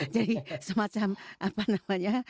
jadi semacam apa namanya